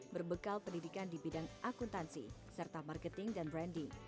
berbekal pendidikan di bidang akuntansi serta marketing dan branding